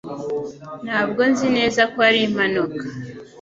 Ntabwo nzi neza ko ari impanuka